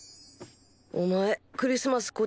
お前クリスマス